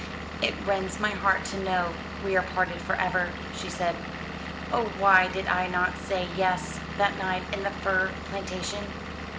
"It rends my heart to know we are parted for ever," she said. "Oh why did I not say Yes that night in the fir plantation?